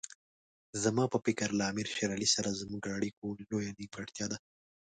زما په فکر له امیر شېر علي سره زموږ اړیکو لویه نیمګړتیا ده.